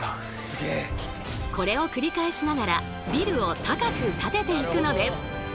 これを繰り返しながらビルを高く建てていくのです。